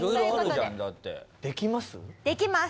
できます。